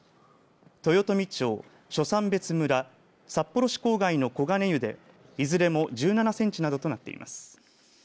豊富町、初山別村札幌市郊外の小金湯でいずれも１７センチなどとなっています。